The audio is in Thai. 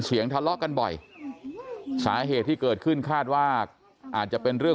ทะเลาะกันบ่อยสาเหตุที่เกิดขึ้นคาดว่าอาจจะเป็นเรื่อง